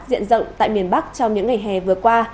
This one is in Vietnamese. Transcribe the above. diện rộng tại miền bắc trong những ngày hè vừa qua